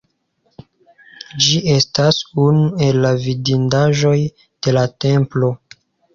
Ĝi estas unu el la vidindaĵoj de la templo.